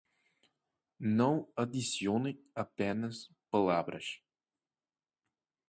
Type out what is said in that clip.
Não adicione apenas palavras